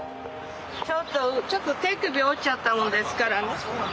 ちょっと手首折っちゃったものですからね。